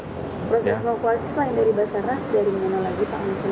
proses evakuasi selain dari basaras dari mana lagi pak